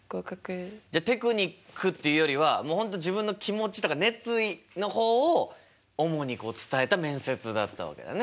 じゃテクニックっていうよりはもう本当自分の気持ちとか熱意のほうを主に伝えた面接だったわけだね。